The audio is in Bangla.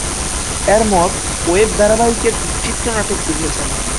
এর মত ওয়েব ধারাবাহিকের চিত্রনাট্য লিখেছেন।